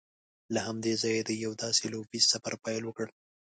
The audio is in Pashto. له همدې ځایه یې د یوه داسې لوبیز سفر پیل وکړ